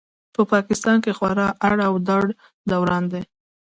په پاکستان کې خورا اړ و دوړ روان دی.